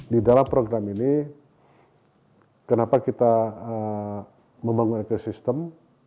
di dalam program ini kenapa kita membangun ekosistem